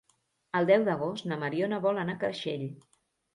El deu d'agost na Mariona vol anar a Creixell.